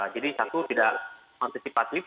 jadi satu tidak antisipatif